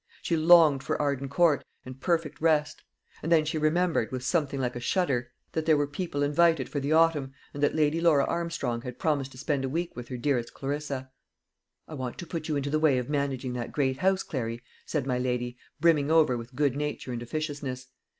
She longed for Arden Court and perfect rest; and then she remembered, with something like a shudder, that there were people invited for the autumn, and that Lady Laura Armstrong had promised to spend a week with her dearest Clarissa. "I want to put you into the way of managing that great house, Clary," said my lady, brimming over with good nature and officiousness.